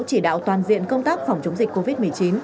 chỉ đạo toàn diện công tác phòng chống dịch covid một mươi chín